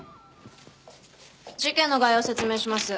事件の概要を説明します。